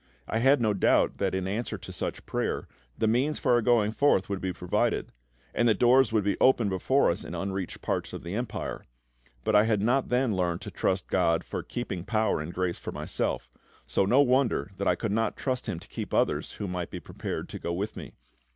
I had no doubt that, in answer to such prayer, the means for our going forth would be provided, and that doors would be opened before us in unreached parts of the Empire. But I had not then learned to trust GOD for keeping power and grace for myself, so no wonder that I could not trust Him to keep others who might be prepared to go with me.